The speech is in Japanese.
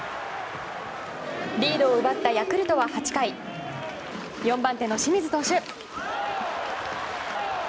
リードを奪ったヤクルトは８回４番手の清水投手。